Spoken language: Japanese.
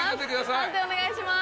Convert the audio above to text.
判定お願いします。